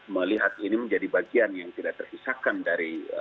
melihat ini menjadi bagian yang tidak terpisahkan dari